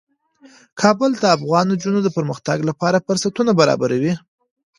کابل د افغان نجونو د پرمختګ لپاره فرصتونه برابروي.